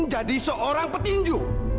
menjadi seorang petinju